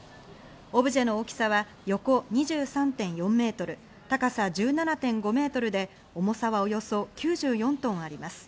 オブジェの大きさは横２３．４ｍ、高さ１７．５ｍで、重さはおよそ９４トンあります。